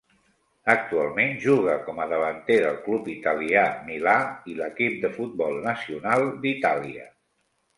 Actualment juga com a davanter del club italià Milà i l'equip de futbol nacional d'Itàlia.